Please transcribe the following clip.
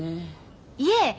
いえ！